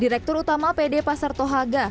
direktur utama pd pasar tohaga